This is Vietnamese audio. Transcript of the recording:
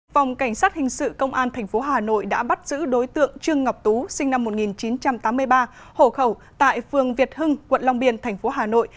phòng cảnh sát hình sự công an tp hà nội đã bắt giữ đối tượng trương ngọc tú sinh năm một nghìn chín trăm tám mươi ba hộ khẩu tại phường việt hưng quận long biên thành phố hà nội